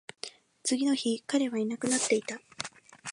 次の日、彼はいなくなっていた